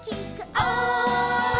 「おい！」